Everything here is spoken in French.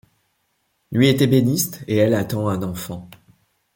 Lui est ébéniste et elle attend un enfant.